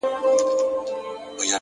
د موخې ځواک ستړیا شاته پرېږدي،